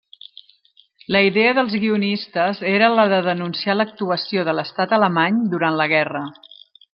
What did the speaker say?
La idea dels guionistes era la de denunciar l'actuació de l'Estat alemany durant la guerra.